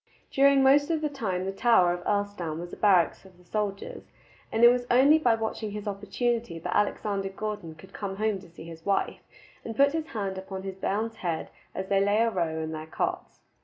During most of the time the tower of Earlstoun was a barracks of the soldiers, and it was only by watching his opportunity that Alexander Gordon could come home to see his wife, and put his hand upon his bairns' heads as they lay a row in their cots.